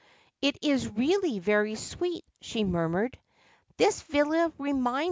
' It is really very sweet,' she murmured. ' This villa remini.